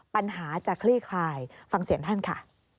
ปัญหาจะคลี่คลายฟังเสียงท่านค่ะ